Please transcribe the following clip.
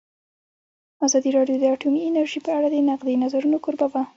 ازادي راډیو د اټومي انرژي په اړه د نقدي نظرونو کوربه وه.